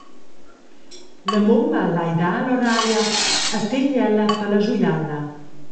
La mumma lai dar Loraia e tegn ella per la schuiala.